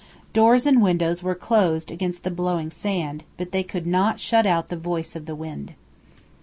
Doors and windows were closed against the blowing sand, but they could not shut out the voice of the wind.